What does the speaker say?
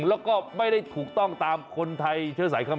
และก็ไม่ได้ถูกต้องตามคนไทยเชื่อสายข้าวเหม็น